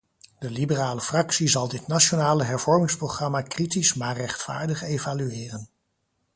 De liberale fractie zal dit nationale hervormingsprogramma kritisch maar rechtvaardig evalueren.